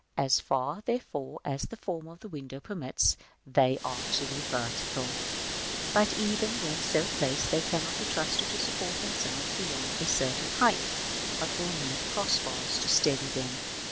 As far, therefore, as the form of the window permits, they are to be vertical. § VII. But even when so placed, they cannot be trusted to support themselves beyond a certain height, but will need cross bars to steady them.